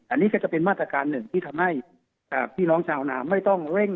อันนี้ก็จะเป็นมาตรการหนึ่งที่ทำให้พี่น้องชาวนาไม่ต้องเร่ง